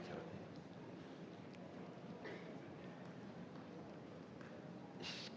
terima kasih pak